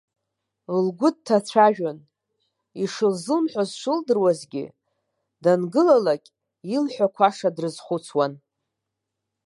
Лгәы дҭацәажәон, ишылзымҳәоз шылдыруазгьы, дангылалак, иалҳәақәаша дрызхәыцуан.